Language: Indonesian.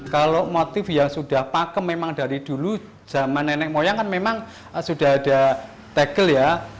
kalau motif yang sudah pakem memang dari dulu zaman nenek moyang kan memang sudah ada tegel ya